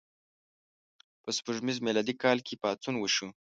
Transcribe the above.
په سپوږمیز میلادي کال کې پاڅون وشو.